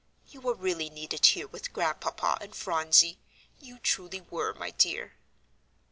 "You were really needed here with Grandpapa and Phronsie. You truly were, my dear."